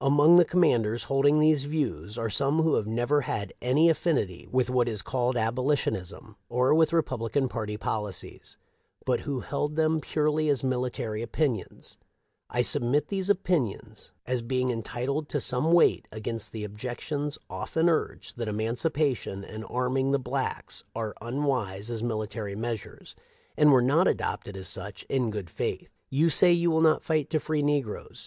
Among the commanders holding these views are some who have never had any affinity with what is called abolitionism or with Re publican party policies, but who held them purely as military opinions. I submit these opinions as being entitled to some weight against the objec tions often urged that emancipation and arming the blacks are unwise as military measures, and were not adopted as such in good faith.* " You say you will not fight to free negroes.